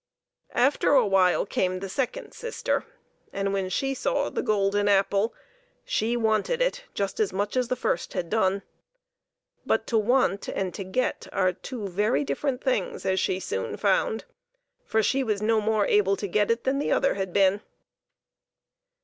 After a while came the second sister, and when she saw the golden apple she wanted it just as much as the first had done. But to want and to get are very different things, as she soon found, for she was no more able to get it than the other had been.